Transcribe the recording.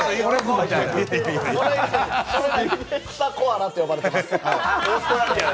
それ以来、臭コアラって呼ばれてます。